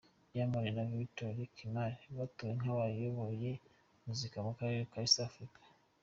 Diamond na Victoria Kimani batowe nk'abayoboye umuziki w'akarere ka East Africa.